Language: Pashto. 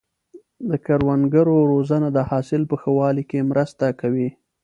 د کروندګرو روزنه د حاصل په ښه والي کې مرسته کوي.